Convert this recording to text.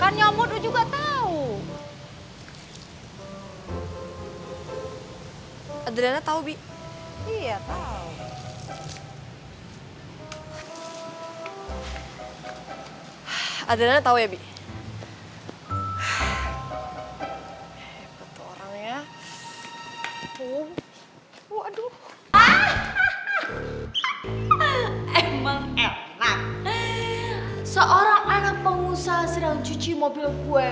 seorang anak pengusaha sedang cuci mobil gue